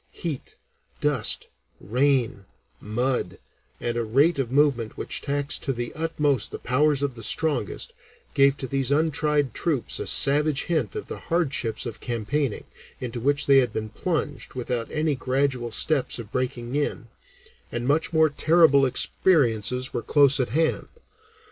Heat, dust, rain, mud, and a rate of movement which taxed to the utmost the powers of the strongest, gave to these untried troops a savage hint of the hardships of campaigning, into which they had been plunged without any gradual steps of breaking in, and much more terrible experiences were close at hand.